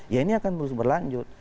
ya ini akan terus berlanjut